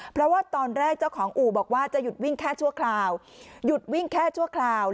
เพราะว่าตอนแรกเจ้าของอู่บอกว่าจะหยุดวิ่งแค่ชั่วคราวหยุดวิ่งแค่ชั่วคราว